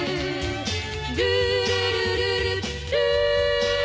「ルールルルルルー」